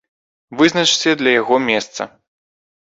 Вызначце для яго месца.